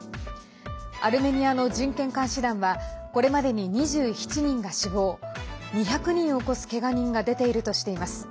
アルメニアの人権監視団はこれまでに２７人が死亡２００人を超すけが人が出ているとしています。